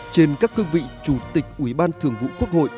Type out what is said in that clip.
trên các cương vị chủ tịch ubthqh